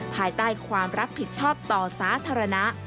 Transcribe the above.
ภายใต้ความรับผิดชอบต่อสาธารณะ